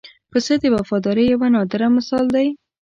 پسه د وفادارۍ یو نادره مثال دی.